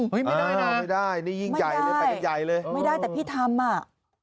ไม่ได้ไม่ได้นี่ยิ่งใหญ่เลยไปกันใหญ่เลยไม่ได้แต่พี่ทำอ่ะ